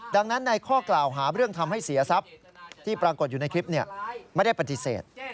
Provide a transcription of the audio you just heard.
ดังนั้นในข้อกล่าวหาเรื่องทำให้เสียทรัพย์ที่ปรากฏอยู่ในคลิปไม่ได้ปฏิเสธ